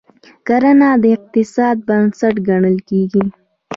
کرنه د اقتصاد بنسټ ګڼل کیږي.